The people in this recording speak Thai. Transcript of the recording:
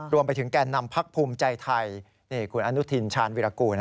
แก่นำพักภูมิใจไทยคุณอนุทินชาญวิรากูล